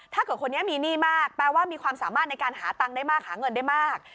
ถ้าเกิดคนนี้มีหนี้มากแปลว่ามีความสามารถในการหาตังค์ได้มากหาเงินได้มาก